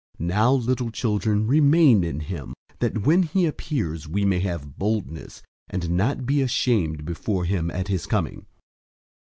002:028 Now, little children, remain in him, that when he appears, we may have boldness, and not be ashamed before him at his coming.